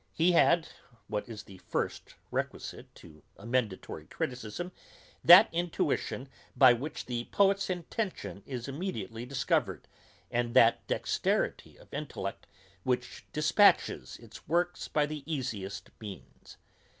He had, what is the first requisite to emendatory criticism, that intuition by which the poet's intention is immediately discovered, and that dexterity of intellect which despatches its work by the easiest means.